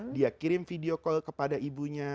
dia kirim video call kepada ibunya